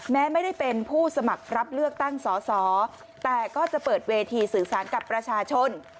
แม้ไม่ได้เป็นผู้สมัครรับเลือกตั้งสอสอแต่ก็จะเปิดเวทีสื่อสารกับประชาชน